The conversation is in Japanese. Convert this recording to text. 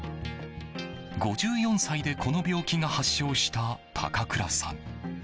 ５４歳でこの病気が発症した高倉さん。